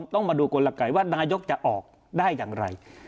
ต้องมาดูกลไกว่านายกจะออกได้อย่างไร